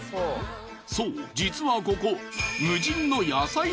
そう実はここ。